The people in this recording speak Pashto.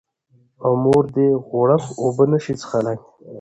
او مور دې غوړپ اوبه نه شي څښلی